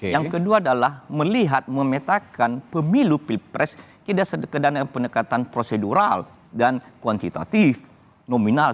yang kedua adalah melihat memetakan pemilu pilpres tidak sederhana pendekatan prosedural dan kuantitatif nominal